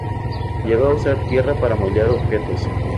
Llegó a usar tierra para moldear objetos.